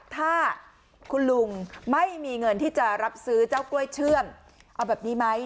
ถ้าคุณลุงไม่มีเงินที่จะรับซื้อเจ้ากล้วยเชื่อมเอาแบบนี้ไหม